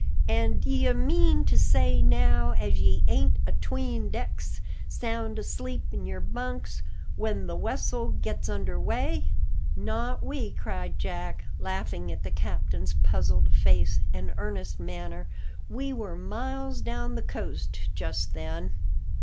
"An' d'ye mean to say now, as ye ain't atween decks, sound asleep in your bunks, when the wessel gets under weigh?" "Not we," cried Jack, laughing at the captain's puzzled face and earnest manner; "we were miles down the coast just then."